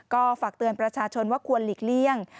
ก็ฝากเตือนประชาชนว่าควรหลีกเลี่ยง